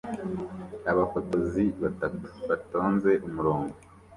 Abafotozi batatu batonze umurongo